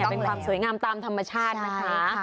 เป็นความสวยงามตามธรรมชาตินะคะ